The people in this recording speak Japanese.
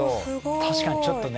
確かにちょっとね